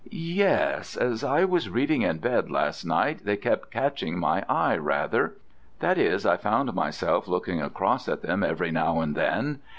"Yes: as I was reading in bed last night they kept catching my eye rather. That is, I found myself looking across at them every now and then.